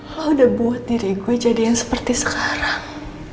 lo udah buat diri gue jadi yang seperti sekarang